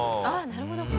なるほど。